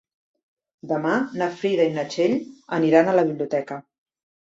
Demà na Frida i na Txell aniran a la biblioteca.